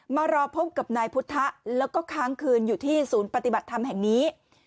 มารอพบกับนายพุทธะแล้วก็ค้างคืนอยู่ที่ศูนย์ปฏิบัติธรรมแห่งนี้